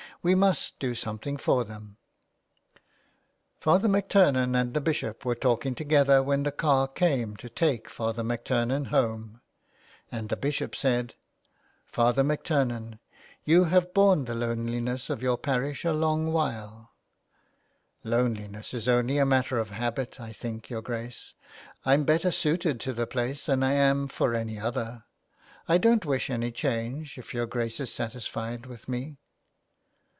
We must do something for them." Father MacTurnan and the Bishop were talking together when the car came to take Father MacTurnan home, and the Bishop said :—" Father MacTurnan, you have borne the loneliness of your parish a long while." 195 A LETTER TO ROME. '' Loneliness is only a matter of habit. I think, your Grace, I'm better suited to the place than I am for any other. I don't wish any change, if your Grace is satisfied with me.''